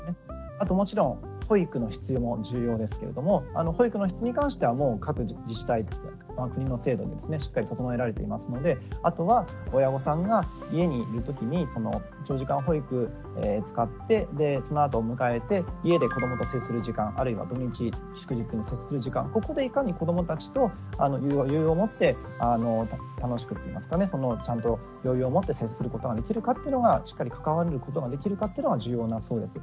あともちろん保育の質も重要ですけれども保育の質に関してはもう各自治体国の制度ですねしっかり整えられていますのであとは親御さんが家にいるときに長時間保育使ってそのあと迎えて家で子どもと接する時間あるいは土日祝日に接する時間ここでいかに子どもたちと余裕を持って楽しくっていいますかねちゃんと余裕を持って接することができるかっていうのがしっかり関わることができるかっていうのが重要だそうです。